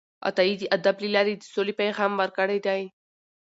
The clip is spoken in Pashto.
عطايي د ادب له لارې د سولې پیغام ورکړی دی